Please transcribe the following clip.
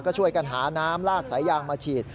ก็ช่วยกันหาน้ำลากสายยางมาฉีด